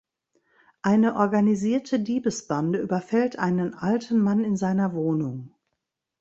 Eine organisierte Diebesbande überfällt einen alten Mann in seiner Wohnung.